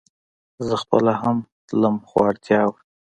زه خپله هم تلم خو اړتيا وه